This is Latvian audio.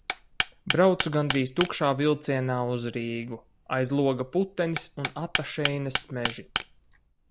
Braucu gandrīz tukšā vilcienā uz Rīgu. Aiz loga putenis un Atašienes meži.